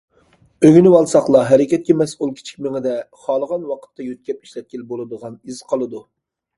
ئۆگىنىۋالساقلا، ھەرىكەتكە مەسئۇل كىچىك مېڭىدە خالىغان ۋاقىتتا يۆتكەپ ئىشلەتكىلى بولىدىغان ئىز قالىدۇ.